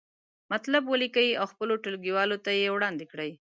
مطلب ولیکئ او خپلو ټولګیوالو ته یې وړاندې کړئ.